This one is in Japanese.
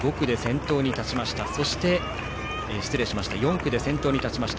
４区で先頭に立ちました。